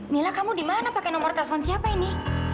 mila kamu di mana pakai nomor telepon siapa ini